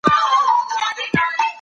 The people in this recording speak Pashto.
خراب فعالیت زړه کمزوری کوي.